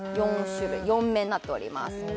４面になっております